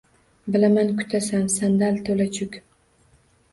Bilaman kutasan sandal tula chug